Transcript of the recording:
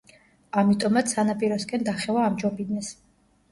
ამიტომაც სანაპიროსკენ დახევა ამჯობინეს.